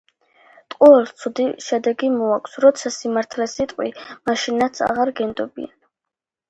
ტყუილს ცუდი შედეგი მოაქვს როცა სიმართლეს იტყვი, მაშინაც აღარ გენდობიან